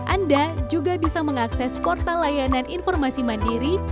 anda juga bisa mengakses portal layanan informasi mandiri